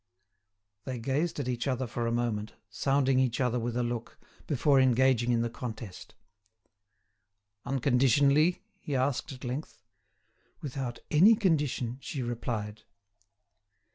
They gazed at each other for a moment, sounding each other with a look, before engaging in the contest. "Unconditionally?" he asked, at length. "Without any condition," she replied.